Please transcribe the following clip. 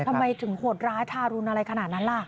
ทำไมถึงโหดร้ายทารุณอะไรขนาดนั้นล่ะ